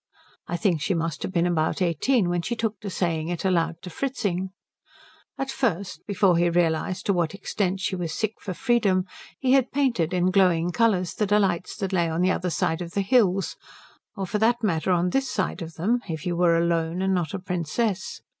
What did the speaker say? I think she must have been about eighteen when she took to saying it aloud to Fritzing. At first, before he realized to what extent she was sick for freedom, he had painted in glowing colours the delights that lay on the other side of the hills, or for that matter on this side of them if you were alone and not a princess.